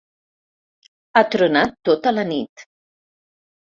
Ha tronat tota la nit.